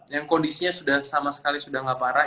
yang kondisinya sudah sama sekali sudah tidak parah